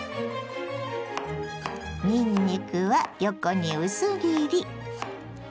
にんにくは横に薄切り。